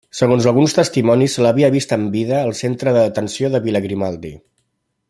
Segons alguns testimonis, se l'havia vist amb vida al centre de detenció de Vila Grimaldi.